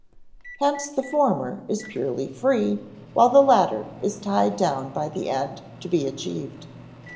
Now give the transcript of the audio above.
Hence the former is purely free, while the latter is tied down by the end to be achieved.